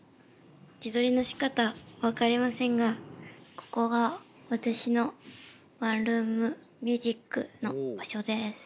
自撮りのしかた分かりませんがここが私のワンルーム☆ミュージックの場所です。